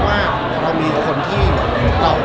มันก็ได้หมดเลย